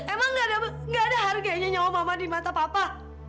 emang gak ada harganya nyawa mama di mata papa